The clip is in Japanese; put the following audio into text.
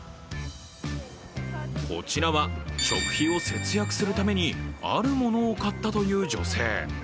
こちらは、食費を節約するためにあるものを買ったという女性。